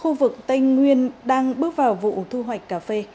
khu vực tây nguyên đang bước vào vụ thu hoạch cà phê